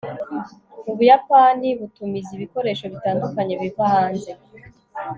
ubuyapani butumiza ibikoresho bitandukanye biva hanze